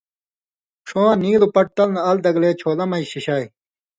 ڇُھواں نیلوۡ پٹ تل نہ ال دگلے چھوݩلہ مژ شِشائ۔